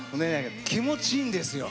気持ちいいんですよ。